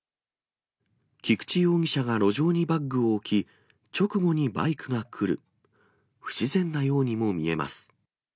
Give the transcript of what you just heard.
菊地容疑者が路上にバッグを置き、直後にバイクが来る、不自然なようにも見えます。